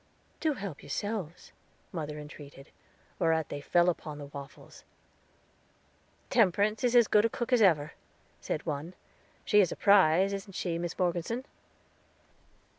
"Do help yourselves," mother entreated, whereat they fell upon the waffles. "Temperance is as good a cook as ever," said one; "she is a prize, isn't she, Mis Morgeson?"